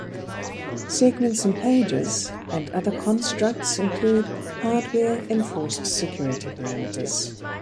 Segments and pages and other constructs include hardware-enforced security parameters.